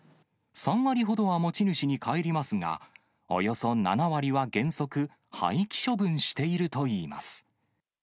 ３割ほどは持ち主に帰りますが、およそ７割は原則、廃棄処分しているといいます。